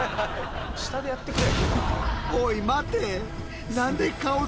下でやってくれ。